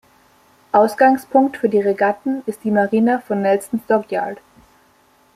Ausgangspunkt für die Regatten ist die Marina von Nelson's Dockyard.